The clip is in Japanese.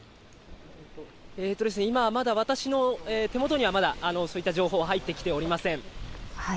今、まだ私の手元には、そういった情報は入ってきておりませ